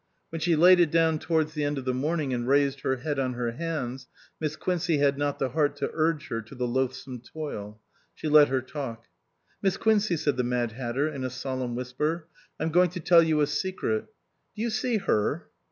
When she laid it down towards the end of the morning and rested her head on her hands, Miss Quincey had not the heart to urge her to the loathsome toil. She let her talk. " Miss Quincey," said the Mad Hatter in a solemn whisper, " I'm going to tell you a secret. Do you see her?"